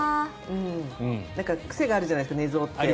癖があるじゃないですか寝相って。